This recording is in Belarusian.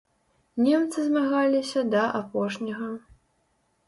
Немцы змагаліся да апошняга.